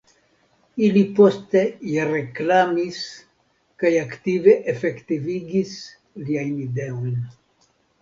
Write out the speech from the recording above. Ili poste ja reklamis kaj aktive efektivigis liajn ideojn.